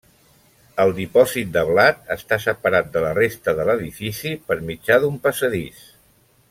El dipòsit de blat està separat de la resta de l'edifici per mitjà d'un passadís.